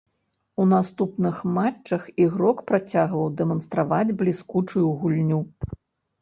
У наступных матчах ігрок працягваў дэманстраваць бліскучую гульню.